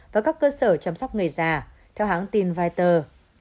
và các cơ sở chăm sóc người già theo hãng tin reuter